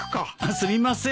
すみません